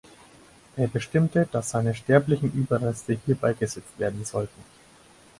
Er bestimmte, dass seine sterblichen Überreste hier beigesetzt werden sollten.